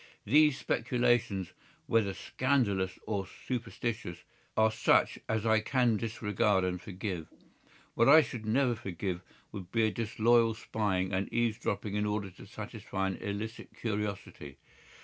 These speculations, whether scandalous or superstitious, are such as I can disregard and forgive. What I should never forgive would be a disloyal spying and eavesdropping in order to satisfy an illicit curiosity.